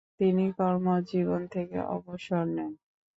তিনি কর্মজীবন থেকে অবসর নেন।